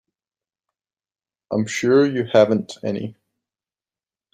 I'm sure you haven't any.